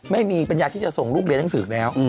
ไม่มีปัญญาที่จะส่งลูกเรียนหนังสือแล้ว